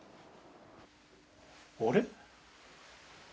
あれ？